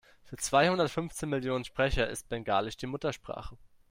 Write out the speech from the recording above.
Für zweihundertfünfzehn Millionen Sprecher ist Bengalisch die Muttersprache.